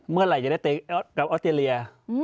เมื่อไหร่จะได้เตะกับออสเตรเลีย